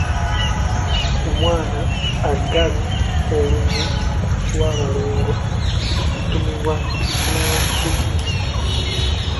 Omwana aggala olubu lw’abalongo atuumibwa Nansukusa.